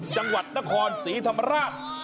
จังหวัดนครศรีธรรมราช